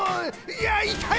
いやいたい！